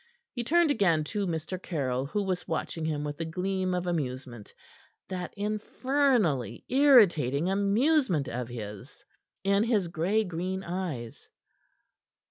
He turned again to Mr. Caryll, who was watching him with a gleam of amusement that infernally irritating amusement of his in his gray green eyes.